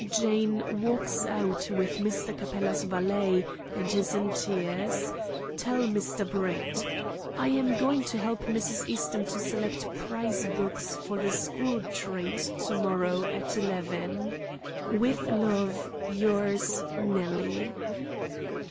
Jane 'walks out' with Mr. Capella's valet, and is in tears. Tell Mr. Brett. I am going to help Mrs. Eastham to select prize books for the school treat to morrow at eleven. " With love, yours, "NELLIE."